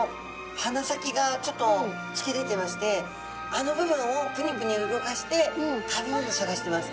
鼻先がちょっとつき出てましてあの部分をプニプニ動かして食べ物を探してます。